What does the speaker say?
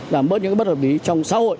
giảm bớt những bất hợp lý trong xã hội